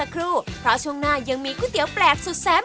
ขอบคุณครับ